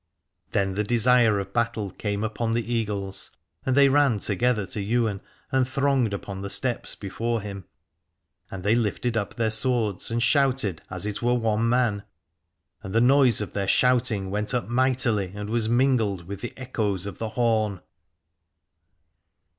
Then the desire of battle came upon the Eagles and they ran together to Ywain and thronged upon the steps before him ; and they lifted up their swords and shouted as it were one man, and the noise of their shouting went up mightily and was mingled with the echoes of the horn.